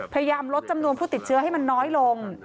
พยายามลดจำนวนผู้ติดเชื้อให้มันน้อยลง